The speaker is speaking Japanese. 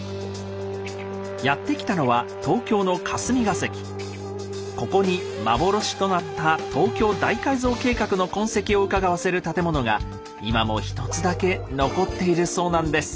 やって来たのはここに幻となった東京大改造計画の痕跡をうかがわせる建物が今も一つだけ残っているそうなんです。